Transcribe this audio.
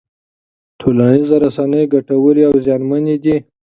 ټولنیزې رسنۍ ګټورې او زیانمنې دي.